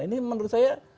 ini menurut saya